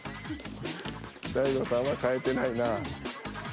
大悟さんは変えてないな。